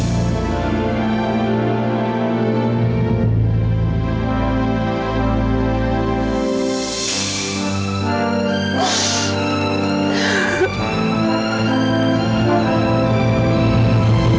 agak keserran yakin cathari mau bellypag